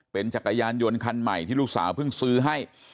เป็นจักรยานยนต์คันใหม่ที่ลูกสาวเพิ่งซื้อให้